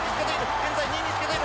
現在２位につけてる。